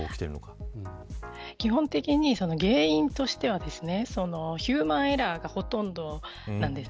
基本的に原因としてヒューマンエラーがほとんどなんです。